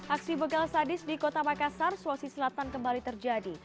aksi begal sadis di kota makassar sulawesi selatan kembali terjadi